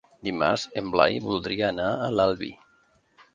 Dimarts en Blai voldria anar a l'Albi.